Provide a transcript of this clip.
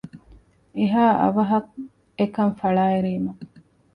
އެހާ އަވަހަށް އެކަން ފަޅާއެރީމަ